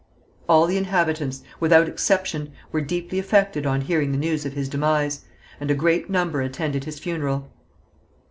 All the inhabitants, without exception, were deeply affected on hearing the news of his demise, and a great number attended his funeral.